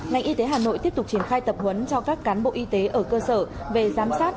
ngành y tế hà nội tiếp tục triển khai tập huấn cho các cán bộ y tế ở cơ sở về giám sát